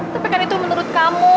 tapi kan itu menurut kamu